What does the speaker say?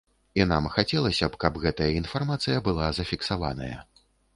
І нам хацелася б, каб гэтая інфармацыя была зафіксаваная.